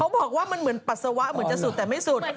บอกว่ามันเหมือนปัสสาวะเหมือนจะสุดแต่ไม่สุด